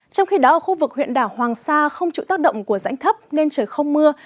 trong khi đó ở khu vực huyện đảo hoàng sa không chịu tác động của rãnh thấp nên trời không mưa